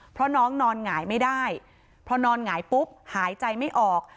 เพราะน้องนอนหงายไม่ได้พอนอนหงายปุ๊บหายใจไม่ออก